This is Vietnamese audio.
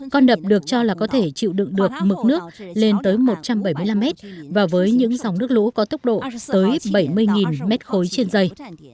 con đập được cho là có thể chịu đựng được mực nước lên tới một trăm bảy mươi năm mét và với những dòng nước lũ có tốc độ tới bảy mươi mét khối trên dây